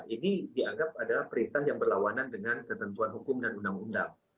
ini dianggap adalah perintah yang berlawanan dengan ketentuan hukum dan undang undang